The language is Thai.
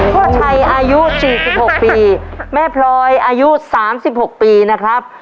พ่อชัยอายุสี่สิบหกปีแม่พลอยอายุสามสิบหกปีนะครับ